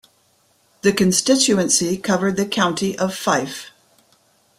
The constituency covered the county of Fife.